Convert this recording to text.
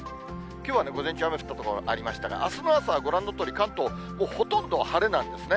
きょうは午前中、雨降った所ありましたが、あすの朝はご覧のとおり、関東、ほとんど晴れなんですね。